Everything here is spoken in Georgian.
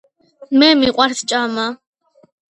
მე მიყვარს ჭამა